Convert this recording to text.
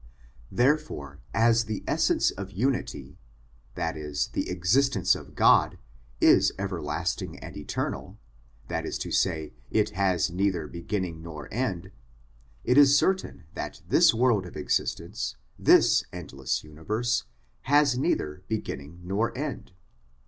Therefore, as the Essence of Unity, that is the existence of God, is everlasting and eternal that is to say, it has neither beginning nor end it is certain that this world of existence, this endless universe, has neither o 210 SOME ANSWERED QUESTIONS beginning nor end.